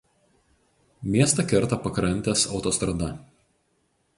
Miestą kerta pakrantės autostrada.